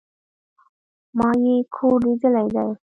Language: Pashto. ما ئې کور ليدلى دئ